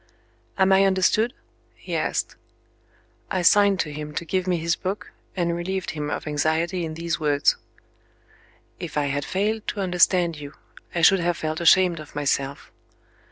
"Am I understood?" he asked. I signed to him to give me his book, and relieved him of anxiety in these words: "If I had failed to understand you, I should have felt ashamed of myself.